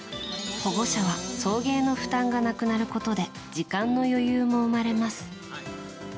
保護者は送迎の負担がなくなることで時間の余裕も生まれます。